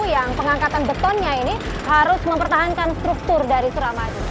yang pengangkatan betonnya ini harus mempertahankan struktur dari suramadu